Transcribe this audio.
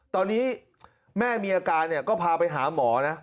ตอนนี้แม่มีอาการเนี่ยก็พาไปหาหมอนะ